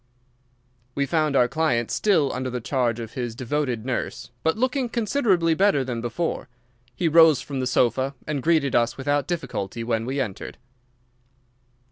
We found our client still under the charge of his devoted nurse, but looking considerably better than before. He rose from the sofa and greeted us without difficulty when we entered.